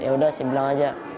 yaudah saya bilang aja